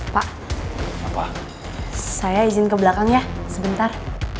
pak saya izin ke belakang ya sebentar